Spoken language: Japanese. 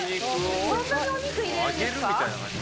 そんなにお肉入れるんですか？